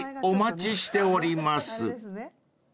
お待ちしております］